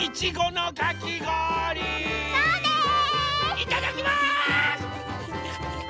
いただきます！